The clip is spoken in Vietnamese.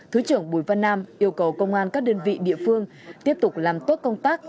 thứ trưởng bùi văn nam yêu cầu công an các đơn vị địa phương tiếp tục làm tốt công tác